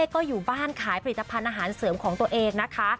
ก็อยู่บ้านขายผลิตภัณฑ์อาหารเสริมของตัวเองนะคะ